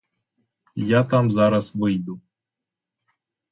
Я там зараз вийду.